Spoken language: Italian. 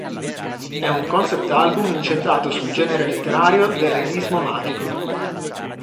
È un concept album incentrato sul genere letterario del realismo magico.